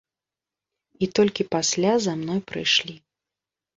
І толькі пасля за мной прыйшлі.